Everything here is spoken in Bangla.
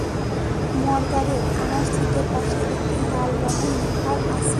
মার্গারেট, আমার সিটের পাশে একটি লাল রঙের লিভার আছে।